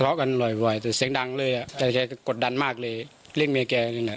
เสียงดังเลยอะแต่แกกดดันมากเลยเรียกเมียแกนี่แหละ